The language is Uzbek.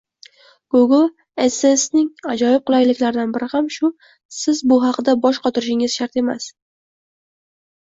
Google adsensening ajoyib qulayliklaridan biri ham shu Siz bu haqida bosh qotirishingiz shart emas